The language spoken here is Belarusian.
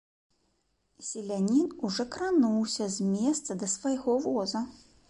І селянін ужо крануўся з месца да свайго воза.